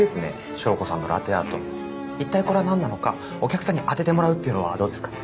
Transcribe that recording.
翔子さんのラテアートいったいこれはなんなのかお客さんに当ててもらうっていうのはどうですか？